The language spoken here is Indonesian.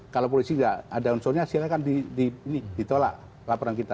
kalau polisi nggak ada unsurnya silakan ditolak laporan kita